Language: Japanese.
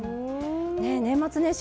年末年始